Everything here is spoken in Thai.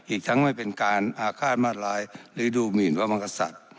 อีกทั้งไม่เป็นการอาฆาตมาตร้ายหรือดูหมินว่ามังกษัตริย์